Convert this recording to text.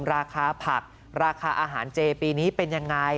ราคาผักราคาอาหารเจปีนี้เป็นยังไง